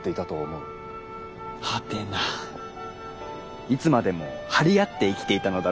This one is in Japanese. いつまでも張り合って生きていたのだろうか。